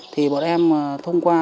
thì bọn em thông qua